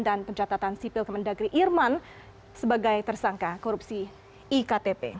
dan pencatatan sipil kemendagri irman sebagai tersangka korupsi iktp